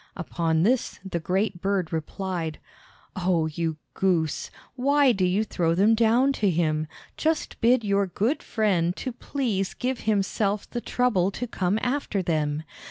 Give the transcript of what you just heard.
Upon this the great bird replied, "Oh, you goose! Why do you throw them down to him? Just bid your good friend to please give himself the trouble to come after them.